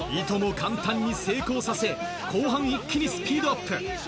簡単に成功させ、後半一気にスピードアップ。